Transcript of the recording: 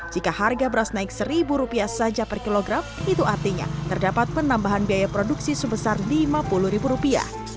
jika harga beras naik rp satu saja per kilogram itu artinya terdapat penambahan biaya produksi sebesar lima puluh ribu rupiah